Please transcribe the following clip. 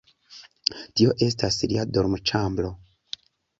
Tio estas lia dormoĉambro.